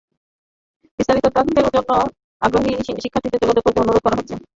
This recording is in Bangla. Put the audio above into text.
বিস্তারিত তথ্যের জন্য আগ্রহী সংগীত শিক্ষার্থীদের যোগাযোগ করতে অনুরোধ করা যাচ্ছে।